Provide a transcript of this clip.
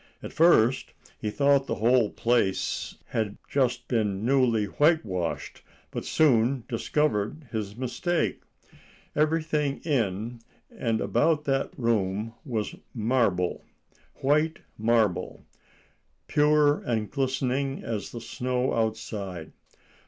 At first he thought the whole place had just been newly whitewashed, but soon discovered his mistake. Everything in and about that room was marble—white marble—pure and glistening as the snow outside.